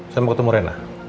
saya mau ketemu rena